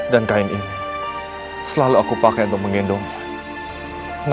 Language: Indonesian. dan kain ini selalu aku pakai untuk menggendongnya